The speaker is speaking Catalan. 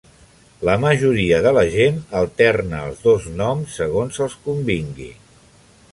La majoria de la gent alterna els dos noms segons els convingui.